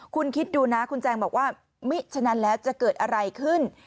คุณคิดดูนะคุณแจงบอกว่ามิฉะนั้นแล้วจะเกิดอะไรขึ้น